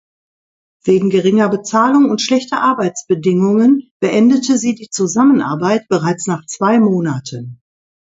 Wegen geringer Bezahlung und schlechter Arbeitsbedingungen beendete sie die Zusammenarbeit bereits nach zwei Monaten.